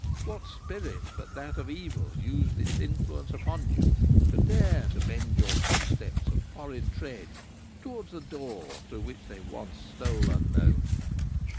"What spirit but that of evil used its influence upon you to dare to bend your footsteps of foreign tread towards the door through which they once stole unknown?